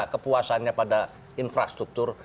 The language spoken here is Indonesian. kepuasannya pada infrastruktur